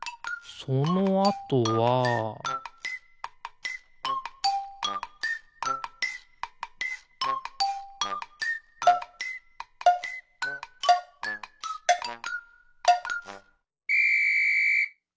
そのあとはピッ！